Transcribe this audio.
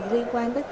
liên quan tới kinh tế